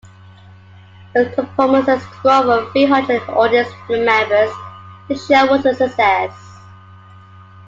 With performances to over three hundred audience members, the show was a success.